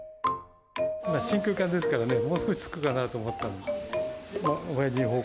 真空管ですからね、もう少し値段つくかと思った。